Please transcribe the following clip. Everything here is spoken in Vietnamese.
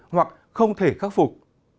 hoặc không thể khắc phục